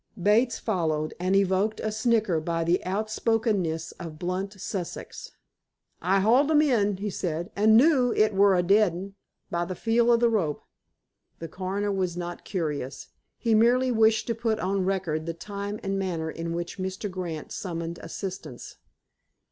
Bates followed, and evoked a snigger by the outspokenness of blunt Sussex. "I hauled 'um in," he said, "an' knew it wur a dead 'un by the feel of the rope." The coroner was not curious. He merely wished to put on record the time and manner in which Mr. Grant summoned assistance.